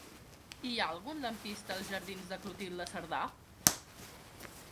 Hi ha algun lampista als jardins de Clotilde Cerdà?